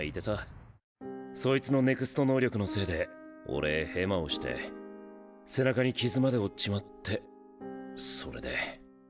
そいつのＮＥＸＴ能力のせいで俺ヘマをして背中に傷まで負っちまってそれで。